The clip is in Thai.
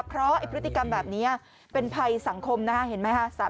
เพราะพฤติกรรมแบบนี้เป็นภัยสังคมนะคะเห็นไหมคะ